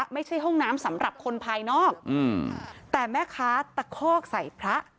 ไม่ใช่ห้องน้ำสำหรับคนภายนอกอืมแต่แม่ค้าตะคอกใส่พระ